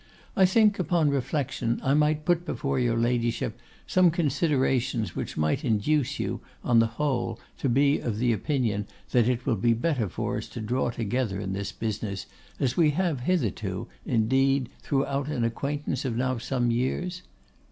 I think, upon reflection, I might put before your Ladyship some considerations which might induce you, on the whole, to be of opinion that it will be better for us to draw together in this business, as we have hitherto, indeed, throughout an acquaintance now of some years.